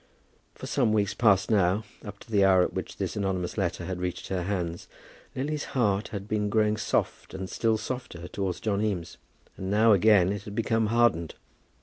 For some weeks past now, up to the hour at which this anonymous letter had reached her hands, Lily's heart had been growing soft and still softer towards John Eames; and now again it had become hardened.